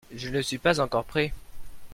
Je ne suis pas encore prêt.